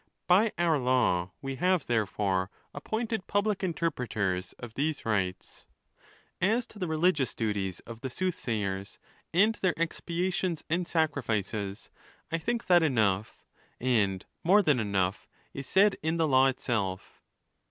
By our law we have, therefore, appointed public interpeters of these rights. As to the religious duties of the soothsayers, and their ex plations and sacrifices, I think that enough, and more than enough, is said in the law itself.